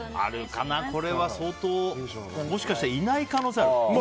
これは相当もしかしたらいない可能性ある。